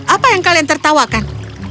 apa yang kalian tertawakan